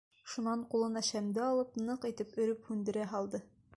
Шунан ҡулына шәмде алды, ныҡ итеп өрөп һүндерә һалды.